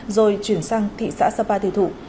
rồi chuyển sang thị xã sapa thư thụ